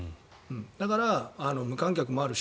だから、無観客もあるし